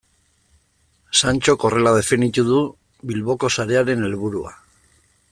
Santxok horrela definitu du Bilboko sarearen helburua.